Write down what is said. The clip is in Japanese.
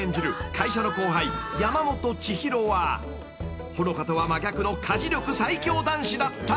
会社の後輩山本知博は穂香とは真逆の家事力最強男子だった］